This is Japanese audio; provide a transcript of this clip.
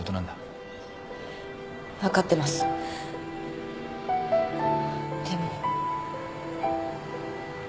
分かってますでも。